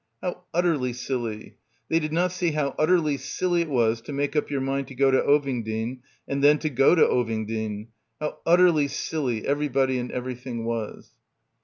How utterly silly. They did not see how utterly silly it was to make up your mind to "go to Ovingdean" and then go to Oving dean. How utterly silly everybody and every thing was.